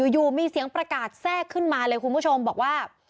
อยู่มีเสียงประกาศแทรกขึ้นมาเลยคุณผู้ชมบอกว่า